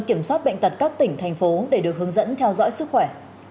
kiểm soát bệnh tật các tỉnh thành phố để được hướng dẫn theo dõi sức khỏe